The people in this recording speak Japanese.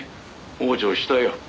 往生したよ」